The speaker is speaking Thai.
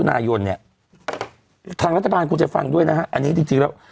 นายนเนี่ยทางรัฐบาลควรจะฟังด้วยนะฮะอันนี้จริงจริงแล้ว